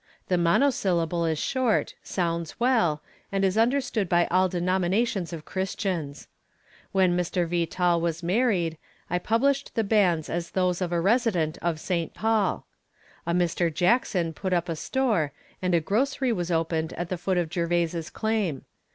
The monosyllable is short, sounds well, and is understood by all denominations of Christians. When Mr. Vetal was married, I published the banns as those of a resident of St. Paul. A Mr. Jackson put up a store, and a grocery was opened at the foot of Gervais' claim.